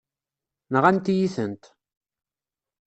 Nɣant-iyi-tent.